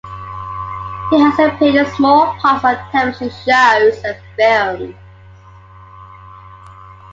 He has appeared in small parts on television shows and films.